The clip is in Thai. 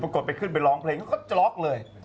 กดไปขึ้นไปร้องเพลงเขาก็จล็อกเลย